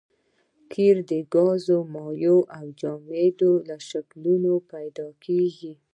قیر د ګاز مایع او جامد په شکلونو پیدا کیږي